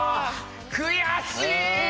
悔しい！